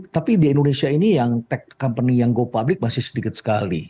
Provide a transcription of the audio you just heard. tapi di indonesia ini yang company yang go public masih sedikit sekali